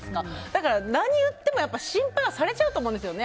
だから、何言っても心配されちゃうと思うんですよ。